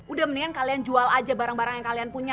udah mendingan kalian jual aja barang barang yang kalian punya